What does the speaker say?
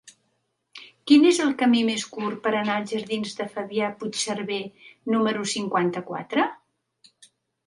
Quin és el camí més curt per anar als jardins de Fabià Puigserver número cinquanta-quatre?